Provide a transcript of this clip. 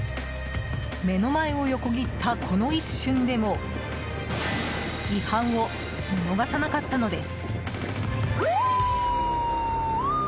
目の前を横切った、この一瞬でも違反を見逃さなかったんです。